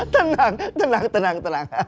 tenang tenang tenang